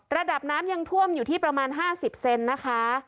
ระดับน้ำยังท่วมอยู่ที่ประมาณ๕๐เซนนะคะ